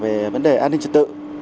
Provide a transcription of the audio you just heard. về vấn đề an ninh trật tự